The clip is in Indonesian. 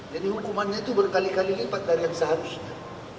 jadi hukumannya itu berkali kali lipat dari yang seharusnya